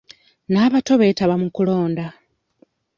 N'abato beetaba mu kulonda.